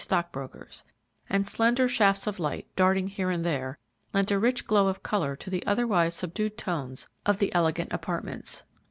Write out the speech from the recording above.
Stock Brokers, and slender shafts of light, darting here and there, lent a rich glow of color to the otherwise subdued tones of the elegant apartments.